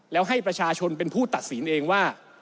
แล้วให้ประชาชนเป็นผู้ตัดสินเองว่า